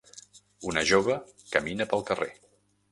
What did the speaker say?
Una jove camina pel carrer.